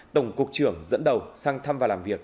tổng cục trưởng dẫn đầu sang thăm và làm việc